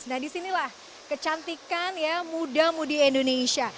nah disinilah kecantikan ya muda mudi indonesia